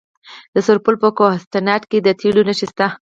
د سرپل په کوهستانات کې د تیلو نښې شته.